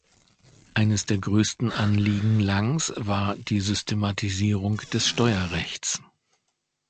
Eines der größten Anliegen Langs war die Systematisierung des Steuerrechts.